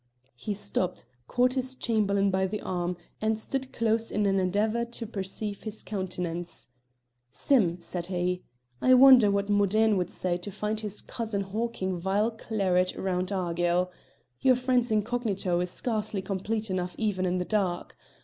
He stopped, caught his Chamberlain by the arm, and stood close in an endeavour to perceive his countenance. "Sim," said he, "I wonder what Modene would say to find his cousin hawking vile claret round Argyll. Your friend's incognito is scarcely complete enough even in the dark.